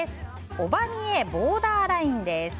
「オバ見えボーダーライン」です。